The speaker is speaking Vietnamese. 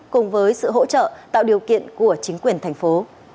cùng với sự hỗ trợ tạo điều kiện của chính quyền thành phố